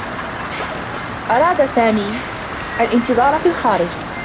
أراد سامي الانتظار في الخارج.